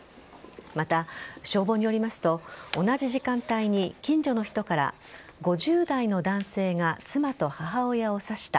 また、消防によりますと同じ時間帯に近所の人から５０代の男性が妻と母親を刺した。